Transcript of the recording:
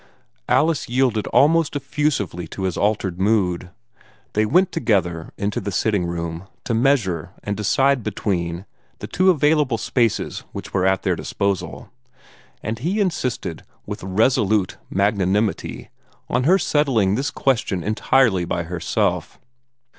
Alice yielded almost effusively to his altered mood. They went together into the sitting room, to measure and decide between the two available spaces which were at their disposal, and he insisted with resolute magnanimity on her settling this question entirely by herself.